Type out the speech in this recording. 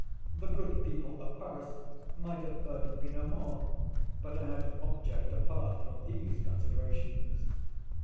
The good people of Paris might have heard of me no more. But I had an object apart from these considerations.